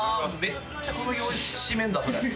めっちゃ小麦おいしい麺だそれ。